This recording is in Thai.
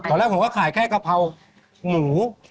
ตอนแรกผมก็ขายแค่กะเพราหมู